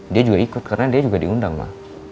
dia juga ikut karena dia juga diundang pak